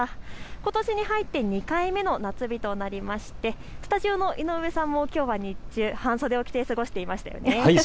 ことしに入って２回目の夏日となりましてスタジオの井上さんもきょうは日中、半袖を着て過ごしていましたよね。